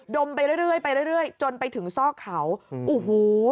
ดมไปเรื่อยจนไปถึงซอกเขาโอ้โฮ